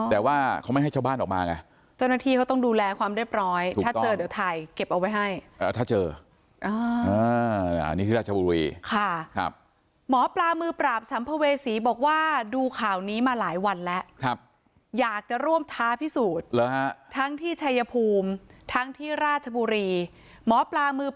แต่ว่าเขาไม่ให้ชาวบ้านออกมาไงเจ้าหน้าที่เขาต้องดูแลความเรียบร้อยถ้าเจอเดี๋ยวถ่ายเก็บเอาไว้ให้ถ้าเจอ